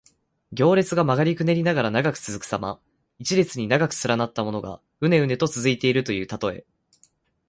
行列が曲がりくねりながら長く続くさま。一列に長く連なったものが、うねうねと続いているというたとえ。